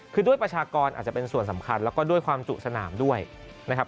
คือด้วยประชากรอาจจะเป็นส่วนสำคัญแล้วก็ด้วยความจุสนามด้วยนะครับ